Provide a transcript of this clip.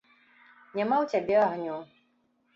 Няма ў цябе агню.